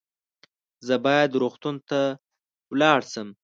زه باید روغتون ته ولاړ شم